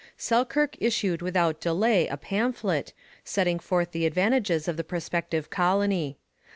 Selkirk issued without delay a pamphlet, setting forth the advantages of the prospective colony.